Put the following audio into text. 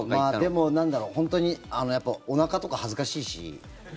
でも、本当におなかとか恥ずかしいし。